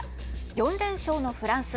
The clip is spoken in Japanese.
４連勝のフランス。